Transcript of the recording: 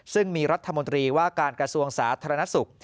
ซึ่งมีรัฐมนตรีว่าการกระทรวงสาธารณสุข